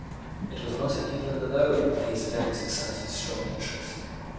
It was not in England alone that these events excited strong interest.